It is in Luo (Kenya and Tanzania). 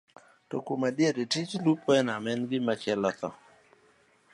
To kuom adier, tij lupo e nam en gima kelo tho.